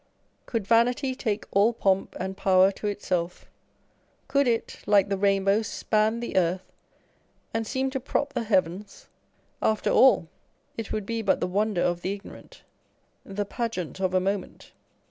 Could vanity take all pomp and power to itself, could it, like the rainbow, span the earth, and seem to prop the heavens, after all it would be but the wonder of the ignorant, the pageant of a moment.